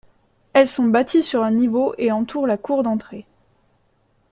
Elles sont bâties sur un niveau et entourent la cour d'entrée.